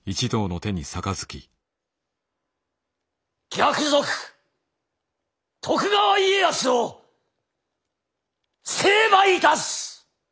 逆賊徳川家康を成敗いたす！